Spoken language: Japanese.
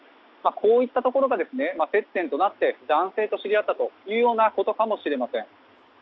こういったところが接点となって男性と知り合ったということかもしれません。